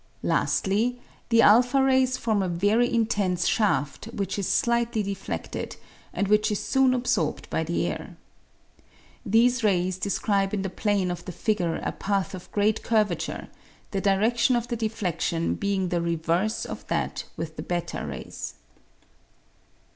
Lastly, the n rays form a very intense shaft which is slightly defledled, and which is soon absorbed by the air. These rays describe in the plane of the figure a path of great curvature, the diredion of the defledion being the reverse of that with the /g rays.